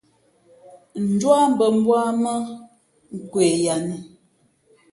Ndū á mbᾱ mbú á mά nkwe ya nu.